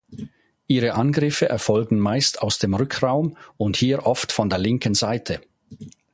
Ihre Angriffe erfolgen meist aus dem Rückraum und hier oft von der linken Seite.